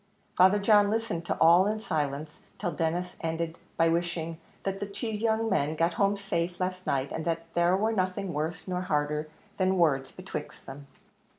Father John listened to all in silence, till Denis ended by wishing "that the two young men got home safe last night, and that there war nothing worse nor harder than words betwixt them."